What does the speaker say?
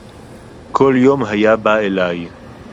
כָּל יוֹם הָיָה בָּא אֵלַי